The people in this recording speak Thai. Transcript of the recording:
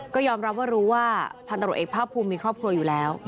ก็ยอมรับว่ารู้ว่าพันตรวจเอกภาคภูมิมีครอบครัวอยู่แล้ว